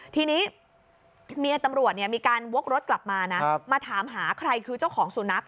ทีนี้เมียตำรวจมีการวกรถกลับมานะมาถามหาใครคือเจ้าของสุนัข